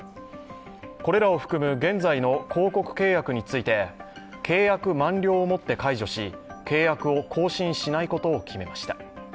これらを含む現在の広告契約について契約満了をもって解除し、契約を更新しないことを決めました。